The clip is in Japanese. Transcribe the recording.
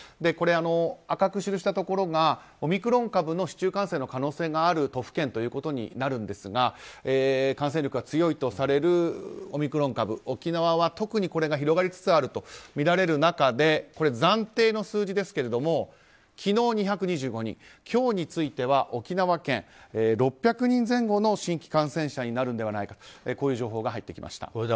これ、赤く記したところがオミクロン株の市中感染の可能性がある都府県となるんですが感染力が強いとされるオミクロン株、沖縄は特にこれが広がりつつあるとみられる中で暫定の数字ですが昨日、２２５人今日については沖縄県６００人前後の新規感染者になるんではないかとこういう情報が入ってきました。